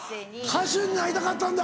歌手になりたかったんだ！